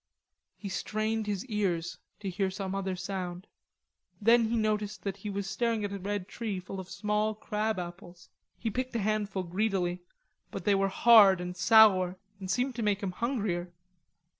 He strained his ears to hear some other sound. Then he noticed that he was staring at a tree full of small red crab apples. He picked a handful greedily, but they were hard and sour and seemed to make him hungrier.